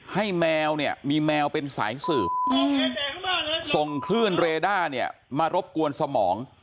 แมวเนี่ยมีแมวเป็นสายสืบส่งคลื่นเรด้าเนี่ยมารบกวนสมอง